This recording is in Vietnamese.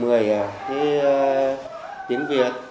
một mươi à thế tiếng việt